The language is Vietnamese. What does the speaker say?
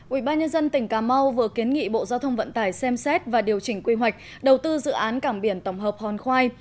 ubnd tỉnh cà mau vừa kiến nghị bộ giao thông vận tải xem xét và điều chỉnh quy hoạch đầu tư dự án cảng biển tổng hợp hòn khoai